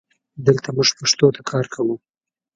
دلته مونږ پښتو ته کار کوو